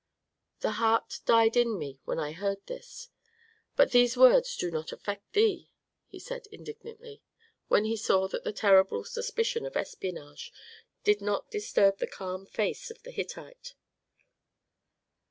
The heart died in me when I heard this. But these words do not affect thee," said he, indignantly, when he saw that the terrible suspicion of espionage did not disturb the calm face of the Hittite.